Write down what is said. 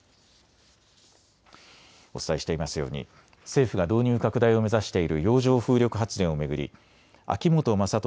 お伝えしていますように政府が導入拡大を目指している洋上風力発電を巡り秋本真利